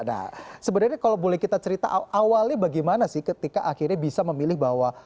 nah sebenarnya kalau boleh kita cerita awalnya bagaimana sih ketika akhirnya bisa memilih bahwa